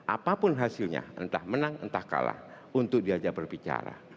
apapun hasilnya entah menang entah kalah untuk diajak berbicara